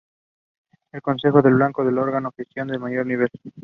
El consejo del Banco es el órgano de gestión de mayor nivel.